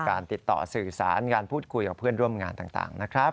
การติดต่อสื่อสารการพูดคุยกับเพื่อนร่วมงานต่างนะครับ